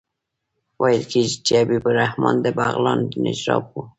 ویل کېږي چې حبیب الرحمن د بغلان د نجراب وو.